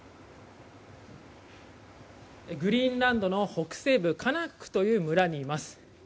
グリーンランドの北西部カナックという村にいます。